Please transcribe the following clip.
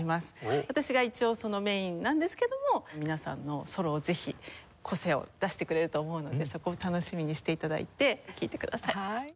私が一応そのメインなんですけども皆さんのソロをぜひ個性を出してくれると思うのでそこを楽しみにして頂いて聴いてください。